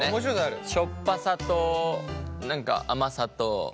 しょっぱさと何か甘さと。